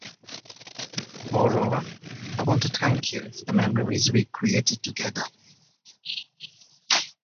Moreover, I want to thank you for the memories we created together.